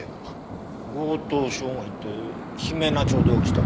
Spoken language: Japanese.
強盗傷害って姫菜町で起きた？